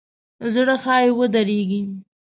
زړه ښایي ودریږي.